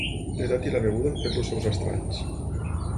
L'edat i la beguda han fet els seus estralls.